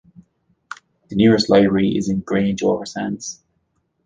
The nearest library is in Grange-over-Sands.